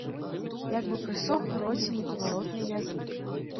Як бы прысох у роце непаваротны язык.